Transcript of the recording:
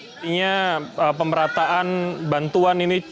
sebenarnya pemerataan bantuan ini